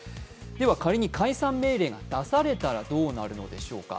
仮に解散命令が出されたらどうなるのでしょうか。